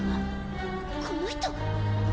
この人が！？